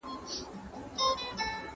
هغه بوټي چې نوي راټوکېدلي وو شنه ښکارېدل.